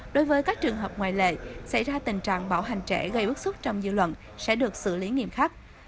đối với các trường hợp ngoại lệ xảy ra tình trạng bạo hành trẻ gây bức xúc trong dư luận sẽ được xử lý nghiêm khắc